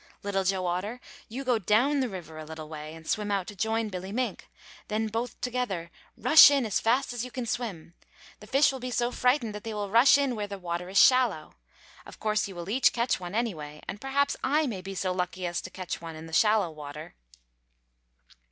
Little Joe Otter, you go down the river a little way and swim out to join Billy Mink. Then both together rush in as fast as you can swim. The fish will be so frightened they will rush in where the water is shallow. Of course you will each catch one, anyway, and perhaps I may be so lucky as to catch one in the shallow water."